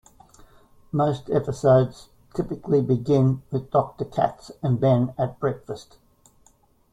Most episodes typically begin with Doctor Katz and Ben at breakfast.